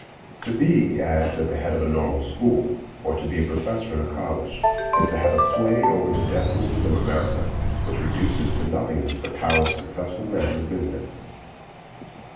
To be, he adds, at the head of a normal school, or to be a professor in a college, is to have a sway over the destinies of America which reduces to nothingness the power of successful men of business.